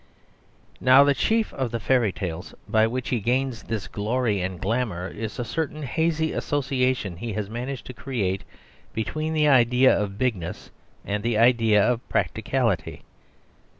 Now, the chief of the fairy tales, by which he gains this glory and glamour, is a certain hazy association he has managed to create between the idea of bigness and the idea of practicality.